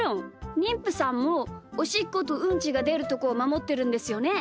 にんぷさんもおしっことうんちがでるところをまもってるんですよね？